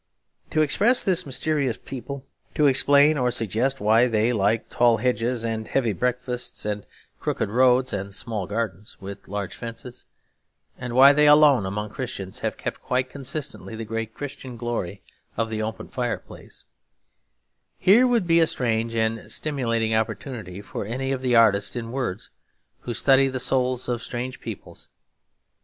To express this mysterious people, to explain or suggest why they like tall hedges and heavy breakfasts and crooked roads and small gardens with large fences, and why they alone among Christians have kept quite consistently the great Christian glory of the open fireplace, here would be a strange and stimulating opportunity for any of the artists in words, who study the souls of strange peoples.